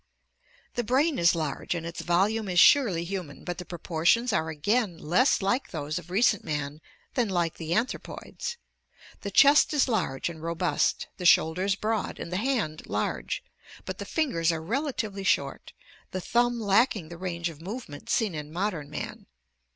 The brain is large and its volume is surely human, but the propor tions are again less like those of recent man than like the anthro poids. The chest is large and robust, the shoulders broad, and the hand large, but the fingers are relatively short, the thumb lacking the range of movement seen in modern man.